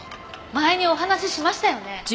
前にお話ししましたよね？